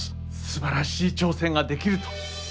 すばらしい挑戦ができると。